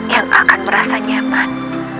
yang akan merasa nyaman